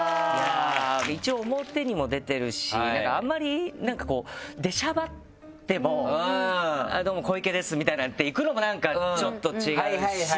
一応表にも出てるしなんかあんまりでしゃばっても「どうも小池です」みたいなんていくのもちょっと違うし。